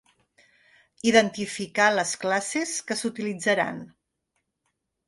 Identificar les classes que s'utilitzaran.